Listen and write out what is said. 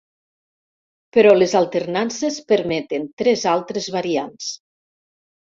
Però les alternances permeten tres altres variants.